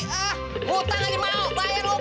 hutang aja mau bayar lo gek